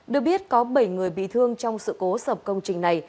được biết có bảy người bị thương trong sự cố sập công trình này